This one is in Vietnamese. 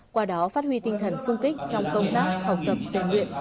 qua đó phát huy tinh thần sung kích trong công tác học tập giải nguyện